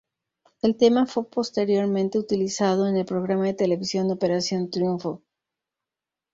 El tema fue posteriormente utilizado en el programa de televisión Operación Triunfo.